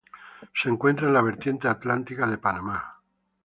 Se encuentra en la vertiente atlántica de Panamá.